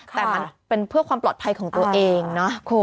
แต่มันเป็นเพื่อความปลอดภัยของตัวเองนะคุณ